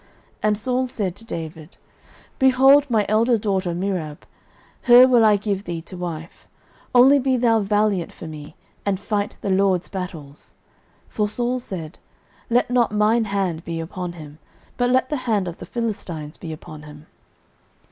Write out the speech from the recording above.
09:018:017 And Saul said to David, Behold my elder daughter Merab, her will I give thee to wife: only be thou valiant for me, and fight the LORD's battles. For Saul said, Let not mine hand be upon him, but let the hand of the Philistines be upon him.